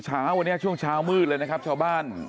เช้าวันเนี้ยช่วงเช้ามืดเลยนะครับ